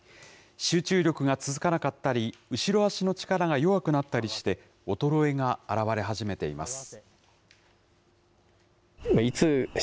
集中力が続かなかったり、後ろ足の力が弱くなったりして、衰えが表れ始めています。